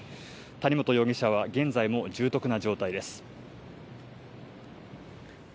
谷本容疑者は、現在も重篤な状態です。